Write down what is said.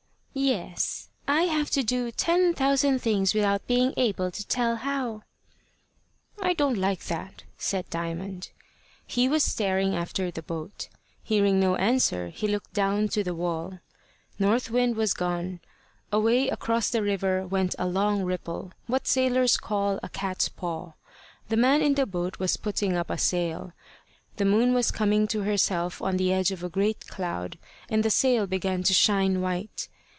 "Yes. I have to do ten thousand things without being able to tell how." "I don't like that," said Diamond. He was staring after the boat. Hearing no answer, he looked down to the wall. North Wind was gone. Away across the river went a long ripple what sailors call a cat's paw. The man in the boat was putting up a sail. The moon was coming to herself on the edge of a great cloud, and the sail began to shine white.